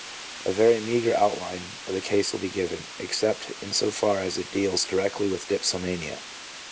A very meagre outline of the case will be given, except in so far as it deals directly with dipsomania.